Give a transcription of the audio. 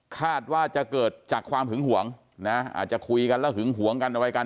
คาดว่าจะเกิดจากความหึงหวงนะอาจจะคุยกันแล้วหึงหวงกันอะไรกัน